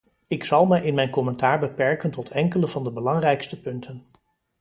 Ik zal mij in mijn commentaar beperken tot enkele van de belangrijkste punten.